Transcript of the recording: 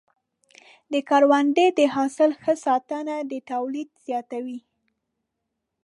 د کروندې د حاصل ښه ساتنه د تولید زیاتوي.